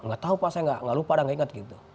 gak tau pak saya gak lupa dan gak inget gitu